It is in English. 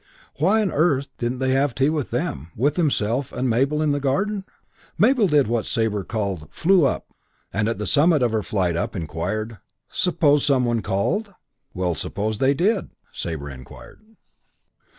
Why on earth didn't they have tea with them, with himself and Mabel, in the garden? Mabel did what Sabre called "flew up"; and at the summit of her flight up inquired, "Suppose some one called?" "Well, suppose they did?" Sabre inquired.